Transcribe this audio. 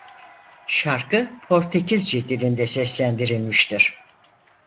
Şarkı Portekizce dilinde seslendirilmiştir.